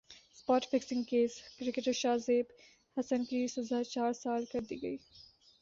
spot fixing case cricketer Shahzeb Hasan کی سزا چار سال کر دی گئی